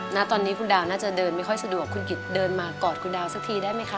ณตอนนี้คุณดาวน่าจะเดินไม่ค่อยสะดวกคุณกิจเดินมากอดคุณดาวสักทีได้ไหมคะ